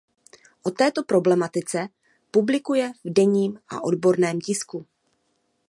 O této problematice publikuje v denním a odborném tisku.